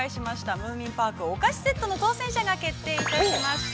「ムーミンパークお菓子セット」の当選者が決定いたしました！